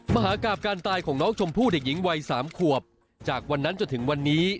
มหากราบการตายของน้องชมพู่เด็กหญิงวัย๓ขวบจากวันนั้นจนถึงวันนี้